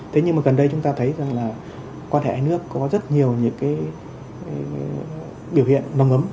thế nhưng mà gần đây chúng ta thấy rằng là quan hệ hai nước có rất nhiều những cái biểu hiện nồng ấm